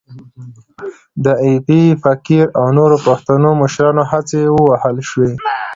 د ایپي فقیر او نورو پښتنو مشرانو هڅې ووهل شوې.